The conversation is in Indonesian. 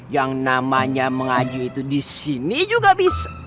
yang namanya mengajuh itu disini juga bisa